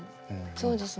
そうですね。